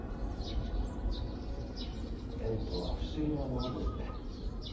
縁とは不思議なものですね。